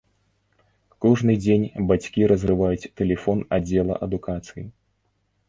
Кожны дзень бацькі разрываюць тэлефон аддзела адукацыі.